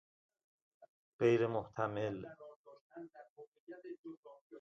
غیر محتمل